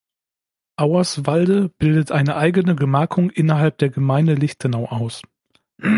Auerswalde bildet eine eigene Gemarkung innerhalb der Gemeinde Lichtenau aus.